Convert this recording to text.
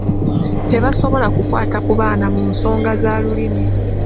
Tebasobola kukwata ku baana mu nsonga za Lulimi.